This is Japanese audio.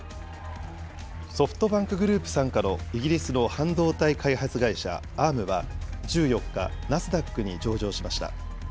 ソフトバンクグループ傘下のイギリスの半導体開発会社、Ａｒｍは１４日、ナスダックに上場しました。